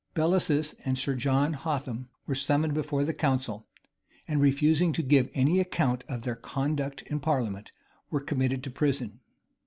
Bellasis and Sir John Hotham were summoned before the council; and, refusing to give any account of their conduct in parliament, were committed to prison.